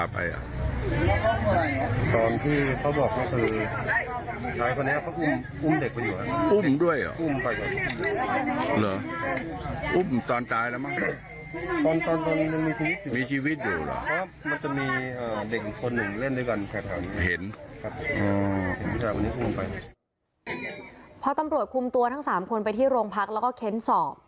พอตำรวจคุมตัวทั้ง๓คนไปที่โรงพักแล้วก็เค้นสอบ